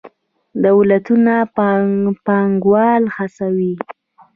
دولتونه پانګوال هڅوي.